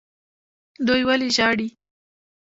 دوی ولې ژاړي.